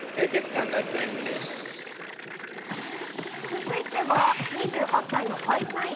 続いては２８歳の会社員。